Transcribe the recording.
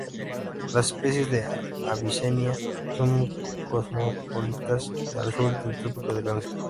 Las especies de "Avicennia" son muy cosmopolitas al sur del Trópico de Cáncer.